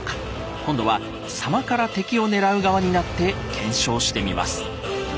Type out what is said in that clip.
今度は狭間から敵を狙う側になって検証してみます。